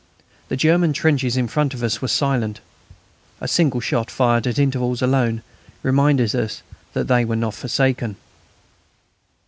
The German trenches in front of us were silent. A single shot fired at intervals alone reminded us that they were not forsaken.